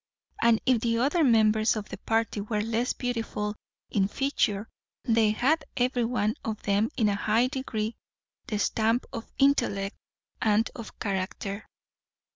And if the other members of the party were less beautiful in feature, they had every one of them in a high degree the stamp of intellect and of character.